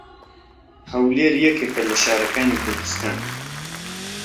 هەولێر یەکێکە لە شارەکانی کوردستان.